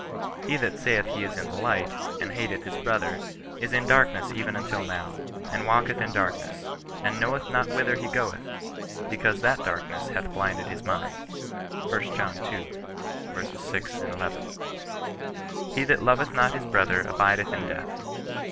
He that saith he is in the light, and hateth his brother, is ii darkness even until now, and walketh in darkness, and knoweth not whither he goeth, because that darkness hath blinded his mind." 1 John ii. 6, 11. " He that loveth not his brother abideth in death.